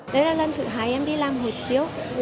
đấy là lần thứ hai em đi làm hộ chiếu